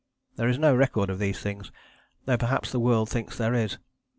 There is no record of these things, though perhaps the world thinks there is.